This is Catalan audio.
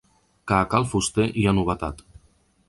Que a cal fuster hi ha novetat.